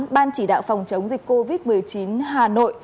ban chỉ đạo phòng chống dịch covid một mươi chín hà nội